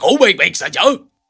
kau baik baik saja